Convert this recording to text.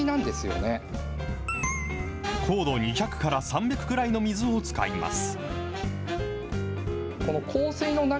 硬度２００から３００くらいの水を使います。